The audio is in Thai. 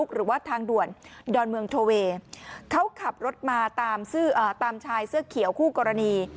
เขาขับรถมาตามชายเสื้อเขียวคู่กรณี